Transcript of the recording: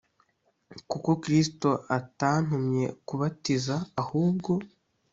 kuko Kristo atantumye kubatiza ahubwo